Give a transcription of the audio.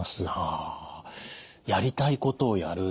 ああやりたいことをやる。